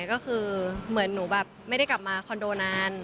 ก็คือเหมือนหนูแบบไม่ได้กลับมาคอนโดนาน